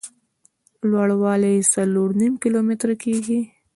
لوړ والی یې څلور نیم کیلومتره کېږي.